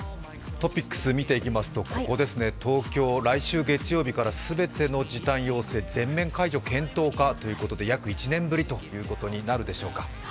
トピックスを見ていきますと、東京、来週月曜日から全ての時短要請、全面解除検討かということで、約１年ぶりということになるでしょうか。